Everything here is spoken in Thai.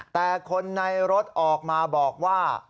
แต่คนในรถออกมาบอกว่า